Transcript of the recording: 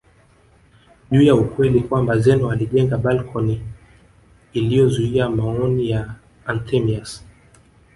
juu ya ukweli kwamba Zeno alijenga balcony iliyozuia maoni ya Anthemius